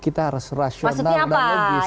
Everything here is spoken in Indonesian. kita harus rasional dan logis maksudnya apa